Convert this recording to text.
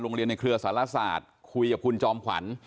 โรงเรียนในเครือสารสาธคุยกับคุณจอมขวัญ